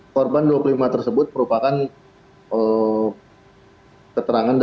korban dua puluh lima tersebut merupakan keterangan